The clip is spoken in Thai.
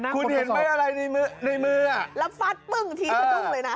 คุณเห็นไหมอะไรในมือแล้วฟัดปึ้งทีสะดุ้งเลยนะ